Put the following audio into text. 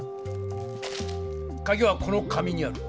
カギはこの紙にある。